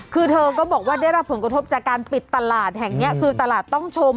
คือเธอก็บอกว่าได้รับผลกระทบจากการปิดตลาดแห่งนี้คือตลาดต้องชม